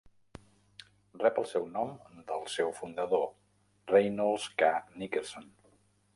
Rep el seu nom del seu fundador, Reynolds K. Nickerson.